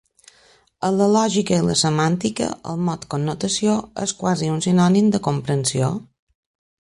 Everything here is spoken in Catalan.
En la lògica i la semàntica, el mot "connotació" és quasi un sinònim de "comprensió".